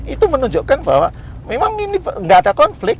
itu menunjukkan bahwa memang ini nggak ada konflik